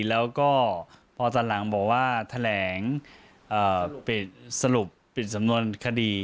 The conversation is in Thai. แล้วก็พอตอนหลังบอกว่าแถลงสรุปปิดสำนวนคดี